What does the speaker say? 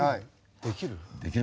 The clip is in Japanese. できる？